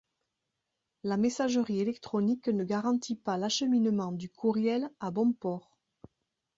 La messagerie électronique ne garantit pas l'acheminement du courriel à bon port.